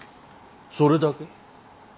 それだけ？